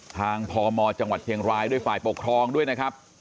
พมจังหวัดเชียงรายด้วยฝ่ายปกครองด้วยนะครับ